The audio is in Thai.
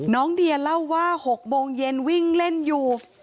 น้องเดียเล่าว่า๖โมงเย็นวิ่งเล่นอยู่